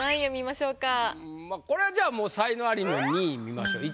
まあこれじゃあもう才能アリの２位見ましょう。